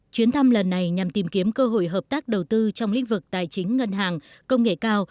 chuyến thăm lần này nhằm tìm kiếm cơ hội hợp tác đầu tư trong lĩnh vực tài chính ngân hàng công nghệ cao